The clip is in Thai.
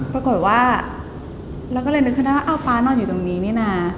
ปรากฏว่าเราก็เลยนึกขึ้นได้ว่าอ้าวป๊านอนอยู่ตรงนี้นี่นะ